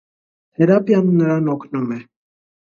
Թերապիան նրան օգնում է։